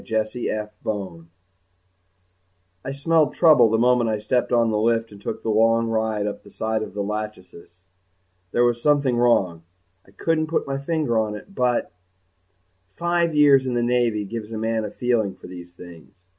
F. BONE Illustrated by FINLAY _I smelled the trouble the moment I stepped on the lift and took the long ride up the side of the "Lachesis." There was something wrong. I couldn't put my finger on it but_ five years in the Navy gives a man a feeling for these things.